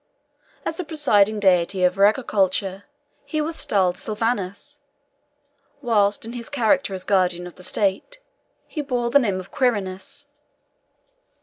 As the presiding deity over agriculture, he was styled Sylvanus, whilst in his character as guardian of the state, he bore the name of Quirinus.